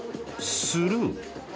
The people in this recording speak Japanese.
スルー。